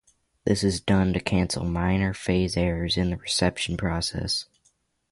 This is done to cancel minor phase errors in the reception process.